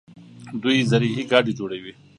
دوی زرهي ګاډي جوړوي.